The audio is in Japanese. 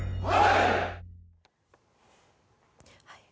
はい！